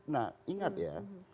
nah ingat ya